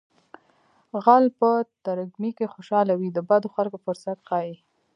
غل په ترږمۍ کې خوشحاله وي د بدو خلکو فرصت ښيي